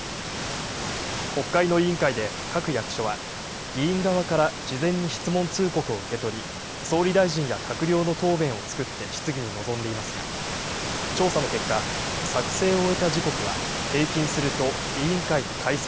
国会の委員会で各役所は、議員側から事前に質問通告を受け取り、総理大臣や閣僚の答弁を作って質疑に臨んでいますが、調査の結果、作成を終えた時刻は、平均すると委員会の開催